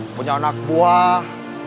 punya anak buah